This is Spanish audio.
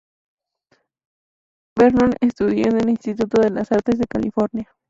Vernon estudió en el "Instituto de las Artes de California".